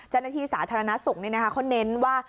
เจ้าหน้าที่สาธารณสุขเขาเน้นว่า